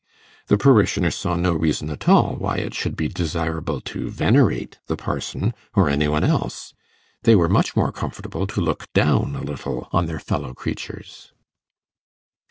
The parishioners saw no reason at all why it should be desirable to venerate the parson or any one else; they were much more comfortable to look down a little on their fellow creatures.